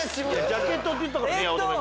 ジャケットって言ったから。